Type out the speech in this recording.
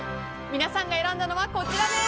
皆さんが選んだのはこちらです。